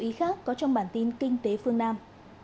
ý khác có trong bản tin kinh tế phương nam